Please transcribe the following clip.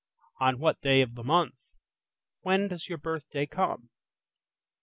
On what day of the month? When does your birthday come?